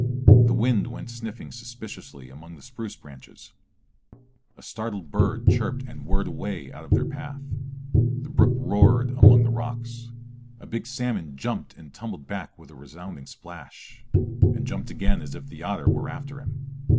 The wind went sniffing suspiciously among the spruce branches; a startled bird chirped and whirred away out of their path; the brook roared among the rocks; a big salmon jumped and tumbled back with resounding splash, and jumped again as if the otter were after him.